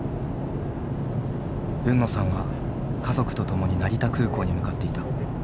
海野さんは家族と共に成田空港に向かっていた。